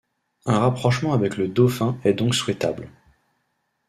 Un rapprochement avec le dauphin est donc souhaitable.